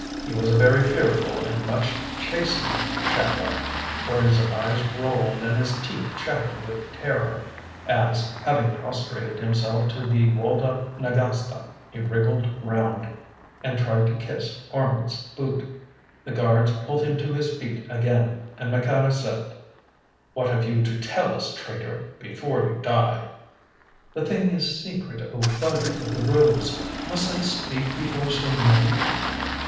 He was a very fearful and much chastened Shadrach, for his eyes rolled and his teeth chattered with terror, as, having prostrated himself to the Walda Nagasta, he wriggled round and tried to kiss Orme's boot. The guards pulled him to his feet again, and Maqueda said: "What have you to tell us, traitor, before you die?" "The thing is secret, O Bud of the Rose. Must I speak before so many?"